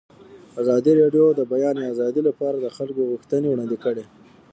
ازادي راډیو د د بیان آزادي لپاره د خلکو غوښتنې وړاندې کړي.